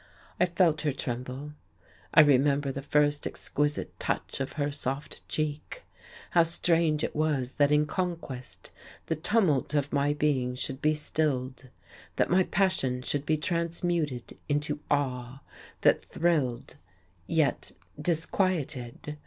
I felt her tremble.... I remember the first exquisite touch of her soft cheek. How strange it was that in conquest the tumult of my being should be stilled, that my passion should be transmuted into awe that thrilled yet disquieted!